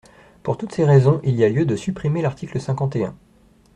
Pour toutes ces raisons, il y a lieu de supprimer l’article cinquante et un.